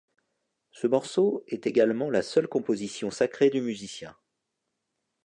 Ce morceau est également la seule composition sacrée du musicien.